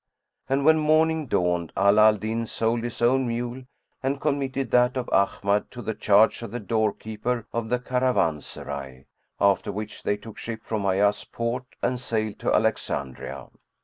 And when morning dawned, Ala al Din sold his own mule and committed that of Ahmad to the charge of the door keeper of the caravanserai, after which they took ship from Ayas port and sailed to Alexandria.